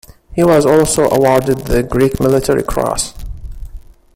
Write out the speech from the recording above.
He was also awarded the Greek Military Cross.